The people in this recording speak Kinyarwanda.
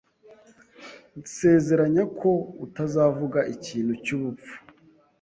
Nsezeranya ko utazavuga ikintu cyubupfu